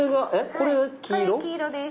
これ黄色です。